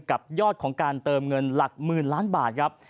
กับยอดของการเติมเงินหลักหมื่นล้านบาทครับ